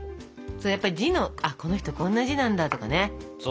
やっぱり字の「この人こんな字なんだ」とかね。